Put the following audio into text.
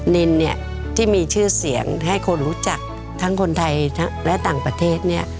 นินเนี่ยที่มีชื่อเสียงให้คนรู้จักทั้งคนไทยและต่างประเทศเนี่ย